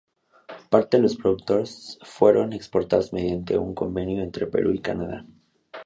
Parte los productos fueron exportados mediante un convenio entre Perú y Canadá.